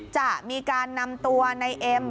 จะมีการนำตัวในเอ็ม